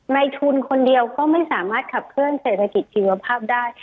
ในทุนคนเดียวก็ไม่สามารถขับเคลื่อเศรษฐกิจชีวภาพได้